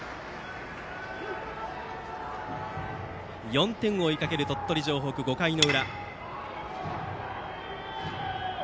４点を追いかける鳥取城北５回裏。